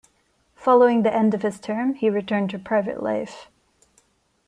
Following the end of his term he returned to private life.